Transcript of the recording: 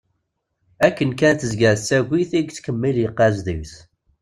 Akken kan tezga tettagi-t i yettkemmil yeɣɣaz deg-s.